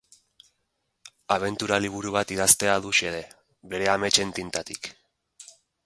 Abentura liburu bat idaztea du xede, bere ametsen tintatik.